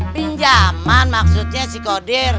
pinjaman maksudnya si godir